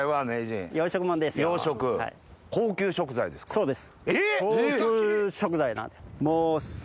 そうです。